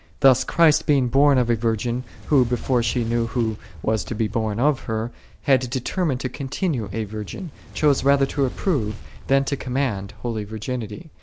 Thus Christ by being born of a virgin, who , before she knew Who was to be born of her, had determined to continue a virgin, chose rather to approve, than to command, holy virginity.